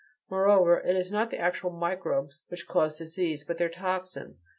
Moreover, it is not the actual microbes which cause disease, but their toxines.